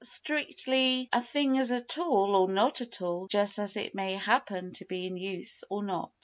Strictly, a thing is a tool or not a tool just as it may happen to be in use or not.